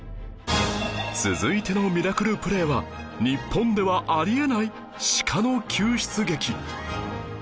続いてのミラクルプレーは日本ではあり得ないシカの救出劇